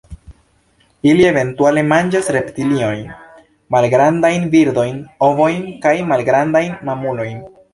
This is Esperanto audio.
Ili eventuale manĝas reptiliojn, malgrandajn birdojn, ovojn kaj malgrandajn mamulojn.